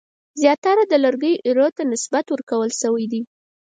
زیاتره د لرګیو ایرو ته نسبت ورکول شوی دی.